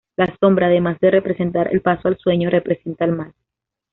La sombra, además de representar el paso al sueño, representa el mal.